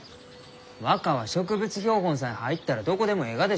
若は植物標本さえ入ったらどこでもえいがでしょうが。